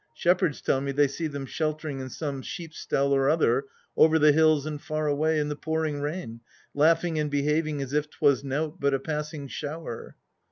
Shepherds tell me they see them sheltering in some sheep stell or other, over the hills and far away, in the pouring rain, laughing and behaving as if 'twas nowt but a passing shower.